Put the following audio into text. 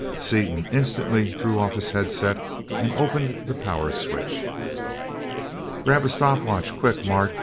Seaton instantly threw off his headset and opened the power switch. "Grab a stopwatch quick, Mart!"